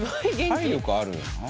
体力あるよな。